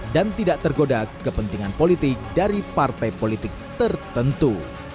dan tidak tergoda kepentingan politik dari partai politik tertentu